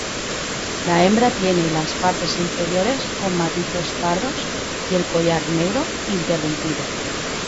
La hembra tiene las partes inferiores con matices pardos y el collar negro interrumpido.